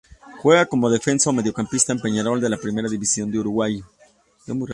Juega como defensa o mediocampista en Peñarol, de la Primera División de Uruguay.